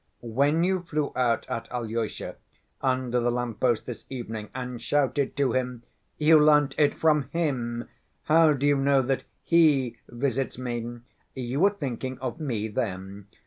When you flew out at Alyosha under the lamp‐post this evening and shouted to him, 'You learnt it from him! How do you know that he visits me?' you were thinking of me then.